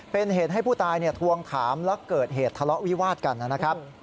เป็นเหตุให้ผู้ตายทวงถามและเกิดเหตุทะเลาะวิวาดกันนะครับ